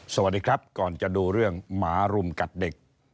สวัสดีครับก่อนจะดูเรื่องหมารุมกัดเด็ก